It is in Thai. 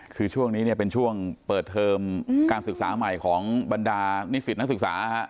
คือช่วงนี้เนี่ยเป็นช่วงเปิดเทอมการศึกษาใหม่ของบรรดานิสิตนักศึกษา